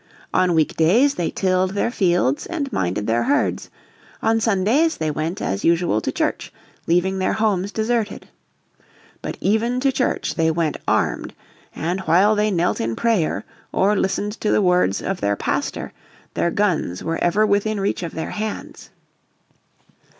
On week days they tilled their fields and minded their herds, on Sundays they went, as usual, to church, leaving their homes deserted. But even to church they went armed, and while they knelt in prayer or listened to the words of their pastor their guns were ever within reach of their hands.